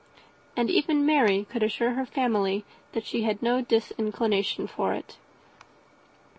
And even Mary could assure her family that she had no disinclination for it.